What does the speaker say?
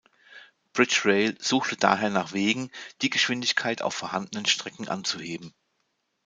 British Rail suchte daher nach Wegen, die Geschwindigkeit auf vorhandenen Strecken anzuheben.